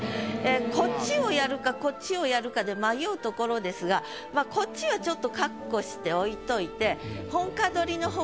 こっちをやるかこっちをやるかで迷うところですがこっちはちょっとカッコして置いといて。